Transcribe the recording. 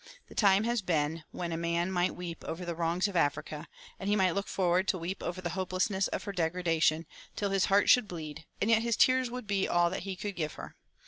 The time has been when a man might weep over the wrongs of Africa, and he might look forward to weep over the hopelessness of her degradation, till his heart should bleed; and yet his tears would be all that he could give her.